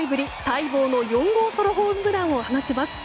待望の４号ソロホームランを放ちます。